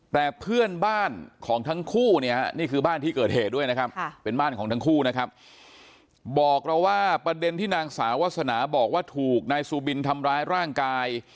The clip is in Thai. แต่เพื่อนบ้านของทั้งคู่เนี่ยนี่คือบ้านที่เกิดเหตุด้วยนะครับเป็นบ้านของทั้งคู่นะครับบอกเราว่าประเด็นที่นางสาววาสนาบอกว่าถูกนายซูบินทำร้ายร่างกาย